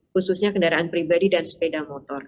khususnya kendaraan pribadi dan sepeda motor